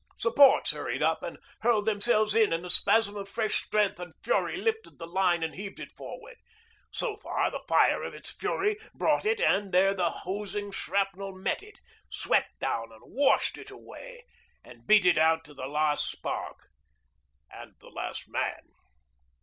Supports hurried up and hurled themselves in, and a spasm of fresh strength and fury lifted the line and heaved it forward. So far the fire of its fury brought it; and there the hosing shrapnel met it, swept down and washed it away, and beat it out to the last spark and the last man.